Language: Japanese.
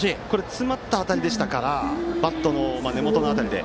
詰まった当たりでしたからバットの根元の辺りで。